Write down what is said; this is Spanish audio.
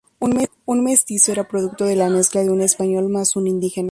Un "mestizo" era producto de la mezcla de un español más un indígena.